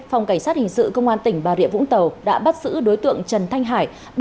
phòng cảnh sát hình sự công an tỉnh bà rịa vũng tàu đã bắt giữ đối tượng trần thanh hải